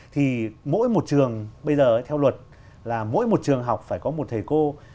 thì mỗi một trường bây giờ theo luật là mỗi một trường học phải có một thầy cô